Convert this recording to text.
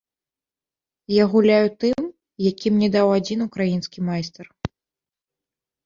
Я гуляю тым, які мне даў адзін украінскі майстар.